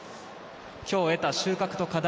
今日、得た収穫と課題